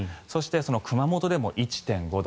そして、熊本でも１．５度。